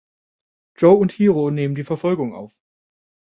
Joe und Hiro nehmen die Verfolgung auf.